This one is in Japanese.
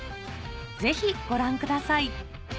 ぜひご覧ください